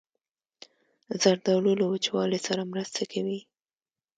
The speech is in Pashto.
زردالو له وچوالي سره مرسته کوي.